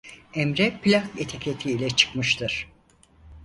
Emre Plak etiketi ile çıkmıştır.